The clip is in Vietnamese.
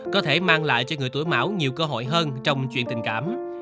có thể mang lại cho người tuổi mão nhiều cơ hội hơn trong chuyện tình cảm